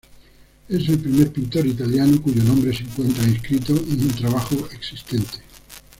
Es el primer pintor italiano cuyo nombre se encuentra inscrito en un trabajo existente.